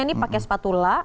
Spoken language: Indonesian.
ini pakai spatula